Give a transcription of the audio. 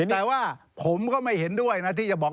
แต่ว่าผมก็ไม่เห็นด้วยนะที่จะบอก